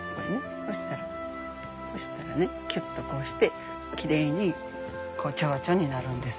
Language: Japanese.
そしたらそしたらねきゅっとこうしてきれいにチョウチョになるんです。